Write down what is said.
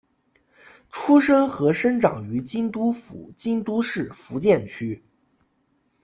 出身和生长于京都府京都市伏见区。